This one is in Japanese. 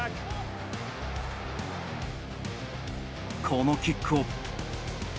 このキックを。